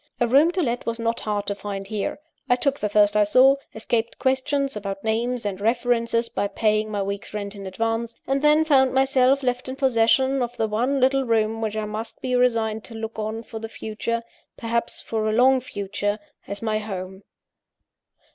A room to let was not hard to find here. I took the first I saw; escaped questions about names and references by paying my week's rent in advance; and then found myself left in possession of the one little room which I must be resigned to look on for the future perhaps for a long future! as my home.